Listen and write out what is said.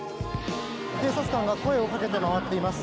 警察官が声をかけて回っています。